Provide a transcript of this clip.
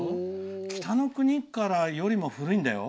「北の国から」よりも古いんだよ。